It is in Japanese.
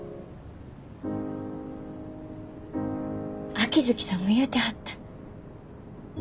秋月さんも言うてはった。